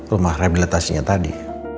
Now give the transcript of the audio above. rumah rehabilitasinya tadi